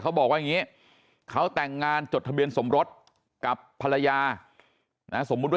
เขาบอกว่าอย่างนี้เขาแต่งงานจดทะเบียนสมรสกับภรรยานะสมมุติว่า